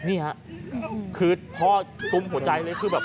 นี่ค่ะคือพ่อตุ้มหัวใจเลย